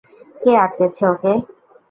কে আটকেছে ওকে?